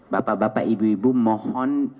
bapak bapak ibu ibu mohon